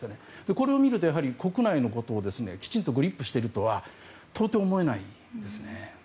これを見ると国内のことをきちんとグリップしているとは到底思えないですね。